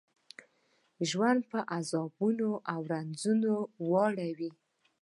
ژوند په عذابونو او رنځونو واړوي.